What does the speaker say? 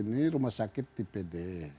di sini rumah sakit tipe d